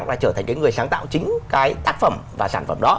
là trở thành cái người sáng tạo chính cái tác phẩm và sản phẩm đó